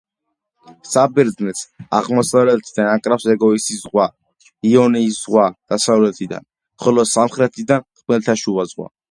საბერძნეთს აღმოსავლეთიდან აკრავს ეგეოსის ზღვა, იონიის ზღვა დასავლეთიდან, ხოლო სამხრეთიდან ხმელთაშუა ზღვა.